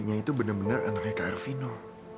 najib ya yang mau bererak hari biasa